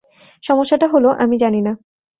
সমস্যাটা হল, আমি জানি না।